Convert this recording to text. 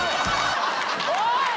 おい！